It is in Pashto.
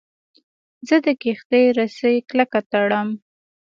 زه د کښتۍ رسۍ کلکه تړم.